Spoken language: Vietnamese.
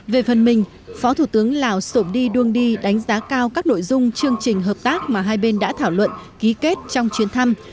về phần mình phó thủ tướng lào sổm đi đung đi đánh giá cao các nội dung chương trình hợp tác mà hai bên đã thảo luận ký kết trong chuyến thăm